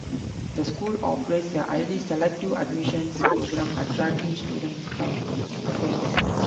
The school operates a highly selective admissions program attracting students from across the city.